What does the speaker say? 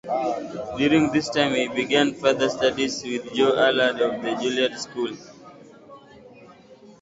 During this time he began further studies with Joe Allard of the Juilliard School.